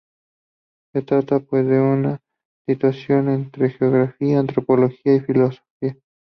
Se trata, pues, de una distinción entre Geografía, Antropología y Filología.